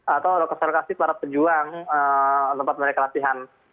atau lokasi lokasi para pejuang tempat mereka latihan